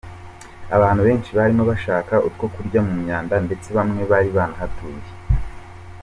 Abantu benshi barimo bashaka utwo kurya mu myanda, ndetse bamwe bari banahatuye.